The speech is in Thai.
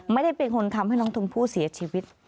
ไม่ได้เป็นคนทำให้น้องชมพู่เสียชีวิต